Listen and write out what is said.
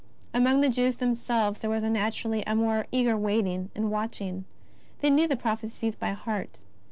Among the Jews themselves there was naturally a more eager waiting and watching. They knew the prophecies by heart.